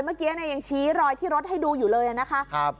เมื่อกี้เนี่ยยังชี้รอยที่รถให้ดูอยู่เลยนะคะ